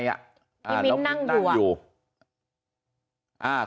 พี่มิ้นนั่งอยู่